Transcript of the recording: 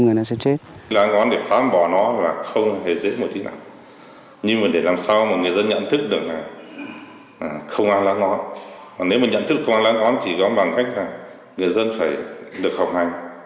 nếu mà nhận thức không ăn lá ngón thì có bằng cách là người dân phải được học hành